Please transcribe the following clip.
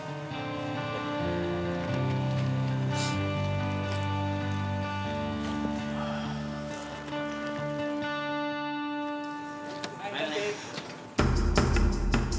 ya ya sudah